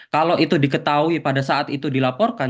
kalau itu diketahui pada saat itu dilaporkan